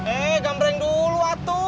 eh gamreng dulu atu